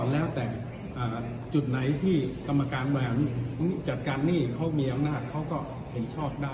แล้วแต่จุดไหนที่กรรมการบริหารจัดการหนี้เขามีอำนาจเขาก็เห็นชอบได้